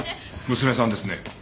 娘さんですね？